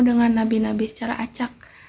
dengan nabi nabi secara acak